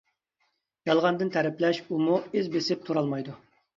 يالغاندىن تەرىپلەش، ئۇمۇ ئىز بېسىپ تۇرالمايدۇ.